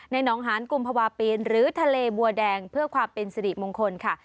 น้องหานกุมภาวะปีนหรือทะเลบัวแดงเพื่อความเป็นสิริมงคลค่ะ